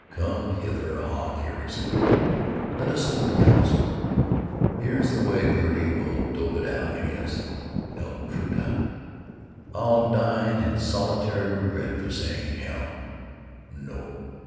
Come hither, Hawk Ericson, let us hold council. Here's the way Gertie will dope it out, I guess. ('Eltruda!') I'll dine in solitary regret for saying 'hell'——No.